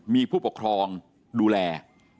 มีผู้ปกครองดูแล